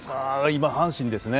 今、阪神ですね。